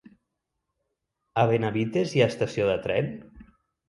A Benavites hi ha estació de tren?